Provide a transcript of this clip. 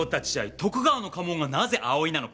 徳川の家紋がなぜ葵なのか。